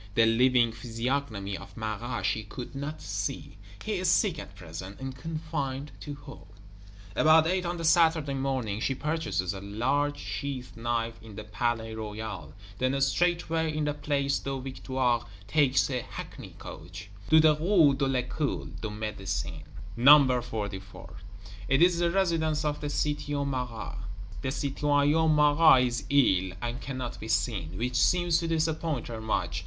The living physiognomy of Marat she could not see; he is sick at present, and confined to home. About eight on the Saturday morning, she purchases a large sheath knife in the Palais Royal; then straightway, in the Place des Victoires, takes a hackney coach: "To the Rue de l'École de Médecine, No. 44." It is the residence of the Citoyen Marat! The Citoyen Marat is ill, and cannot be seen; which seems to disappoint her much.